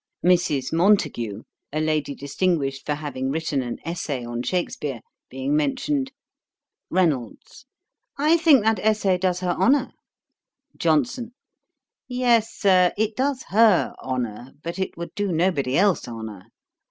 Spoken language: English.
Mrs. Montagu, a lady distinguished for having written an Essay on Shakspeare, being mentioned. REYNOLDS. 'I think that essay does her honour.' JOHNSON, 'Yes, Sir; it does her honour, but it would do nobody else honour.